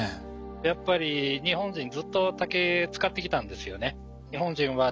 やっぱり日本人ずっと竹使ってきたんですよね。